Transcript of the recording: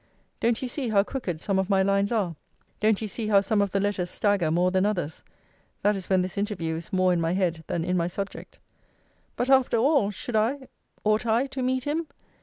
Don't you see how crooked some of my lines are? Don't you see how some of the letters stagger more than others? That is when this interview is more in my head than in my subject. But, after all, should I, ought I to meet him?